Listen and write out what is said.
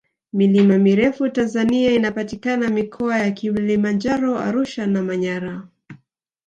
milima mirefu tanzania inapatikana mikoa ya kilimanjaro arusha na manyara